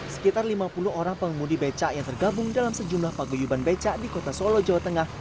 sekitar lima puluh orang pengemudi becak yang tergabung dalam sejumlah paguyuban beca di kota solo jawa tengah